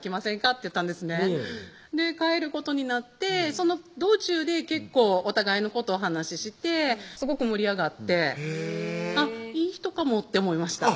って言ったんです帰ることになってその道中で結構お互いのことを話してすごく盛り上がっていい人かもって思いました